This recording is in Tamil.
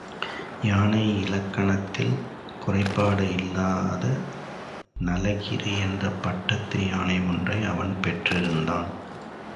யானை இலக்கணத்தில் குறைபாடு இல்லாத நளகிரி என்ற பட்டத்து யானை ஒன்றை அவன் பெற்றிருந்தான்.